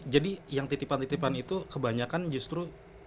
jadi yang titipan titipan itu kebanyakan justru